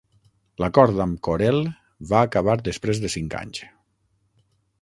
L'acord amb Corel va acabar després de cinc anys.